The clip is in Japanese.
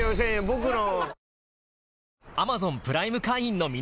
僕の。